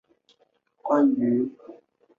名字的由来是来自于设计家安部兼章。